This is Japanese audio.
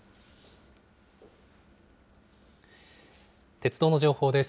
鉄道の情報です。